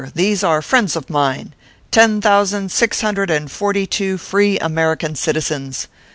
These are friends of mine ten thousand six hundred and forty two free American citizens.